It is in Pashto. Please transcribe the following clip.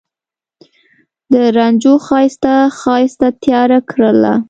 د رنجو ښایسته، ښایسته تیاره کرله